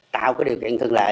tạo cái điều kiện thường lệ